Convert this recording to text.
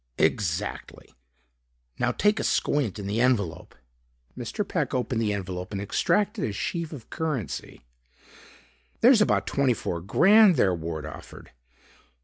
"Exactly. Now take a squint in the envelope." Mr. Peck opened the envelope and extracted a sheaf of currency. "There's about twenty four grand there," Ward offered.